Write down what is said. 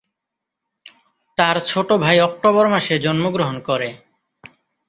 তার ছোট ভাই অক্টোবর মাসে জন্মগ্রহণ করে।